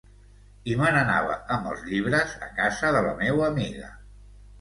I me n'anava, amb els llibres, a casa de la meua amiga.